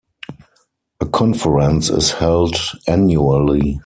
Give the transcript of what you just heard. A conference is held annually.